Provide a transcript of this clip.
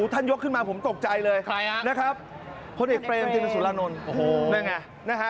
ท่านยกขึ้นมาผมตกใจเลยนะครับคนอีกเพรงที่เป็นสุรนนท์โอ้โห